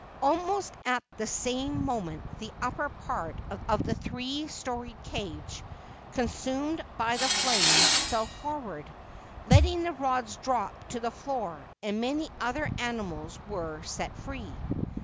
Almost at the same moment the upper part of the three storied cage, consumed by the flames, fell forward, letting the rods drop to the floor, and many other animals were set free.